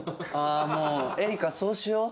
ああもうエリカそうしよう！